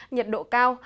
nhiệt độ cao